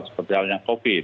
seperti halnya covid